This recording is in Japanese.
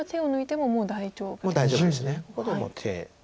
もう大丈夫です。